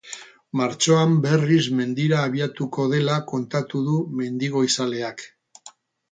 Martxoan berriz mendira abiatuko dela kontatu du mendigoizaleak.